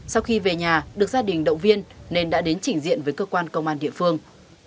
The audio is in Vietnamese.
sau khi về nhà được gia đình động viên nên đã đến chỉnh diện với cơ quan công an địa phương